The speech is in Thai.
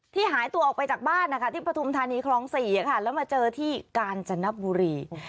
หายตัวออกไปจากบ้านนะคะที่ปฐุมธานีคลอง๔ค่ะแล้วมาเจอที่กาญจนบุรี